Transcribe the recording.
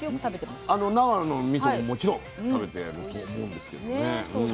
あの長野のみそももちろん食べてると思うんですけどね。